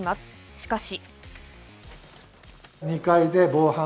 しかし。